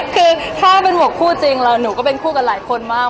คือถ้าเป็นหวกคู่จริงแล้วหนูก็เป็นคู่กับหลายคนมาก